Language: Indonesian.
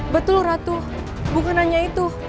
betul ratu bukan hanya itu